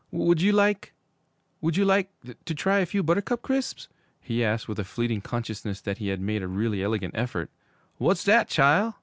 'Would you like would you like to try a few Buttercup Crisps?' he asked, with a fleeting consciousness that he had made a really elegant effort. 'W'at's dat, chile?'